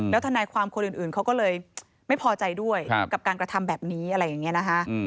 ทนายความคนอื่นเขาก็เลยไม่พอใจด้วยกับการกระทำแบบนี้อะไรอย่างนี้นะคะ